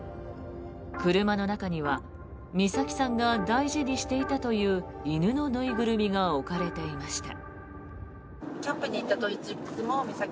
車の中には美咲さんが大事にしていたという犬の縫いぐるみが置かれていました。